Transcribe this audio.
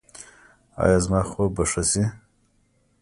ایا زما خوب به ښه شي؟